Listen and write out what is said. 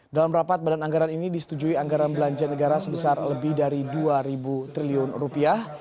dalam rapat badan anggaran ini disetujui anggaran belanja negara sebesar lebih dari dua ribu triliun rupiah